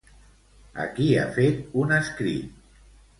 A qui ha fet un escrit?